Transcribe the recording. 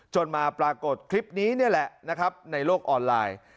มาปรากฏคลิปนี้นี่แหละนะครับในโลกออนไลน์